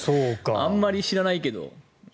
あまり知らないけど。